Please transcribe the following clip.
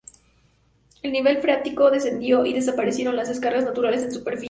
El nivel freático descendió y desaparecieron las descargas naturales en superficie.